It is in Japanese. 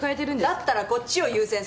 だったらこっちを優先させて。